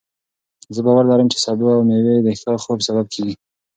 زه باور لرم چې سبو او مېوې د ښه خوب سبب کېږي.